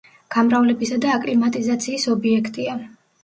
გამრავლებისა და აკლიმატიზაციის ობიექტია.